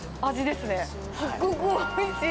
すっごくおいしい。